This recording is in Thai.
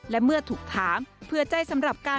และเมื่อถูกถามเผื่อใจสำหรับการ